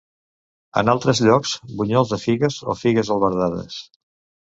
En altres llocs, bunyols de figues o figues albardades.